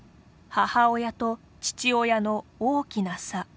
母親と父親の大きな差。